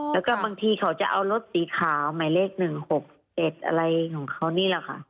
แล้วก็บางทีเขาจะเอารถสีขาวหมายเลข๑๖๗อะไรของเขานี่แหละค่ะ